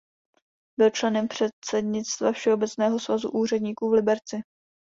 Byl členem předsednictva "Všeobecného svazu úředníků" v Liberci.